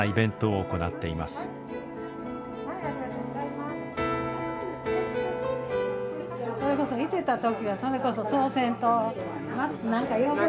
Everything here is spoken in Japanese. それこそいてた時はそれこそそうせんと。